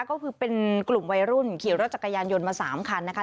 ก็คือเป็นกลุ่มวัยรุ่นขี่รถจักรยานยนต์มา๓คันนะคะ